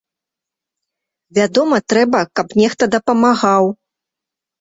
Вядома, трэба каб нехта дапамагаў.